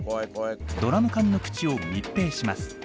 ドラム缶の口を密閉します。